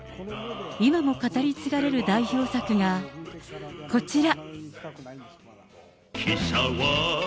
今も語り継がれる代表作がこちら。